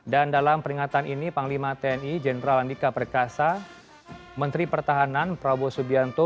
dan dalam peringatan ini panglima tni jenderal andika perkasa menteri pertahanan prabowo subianto